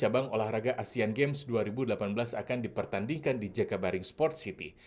cabang olahraga asean games dua ribu delapan belas akan dipertandingkan di jakabaring sport city